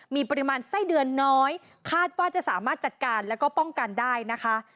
มีปริมาณไส้เดือนน้อยคาดว่าจะสามารถจัดการแล้วก็ป้องกันได้นะคะ